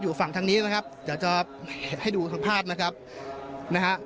อยู่ฝั่งทางนี้นะครับเดี๋ยวจะให้ดูทางภาพนะครับนะฮะ